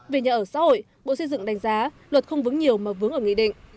về nhà ở xã hội bộ xây dựng đánh giá luật không vướng nhiều mà vướng ở nghị định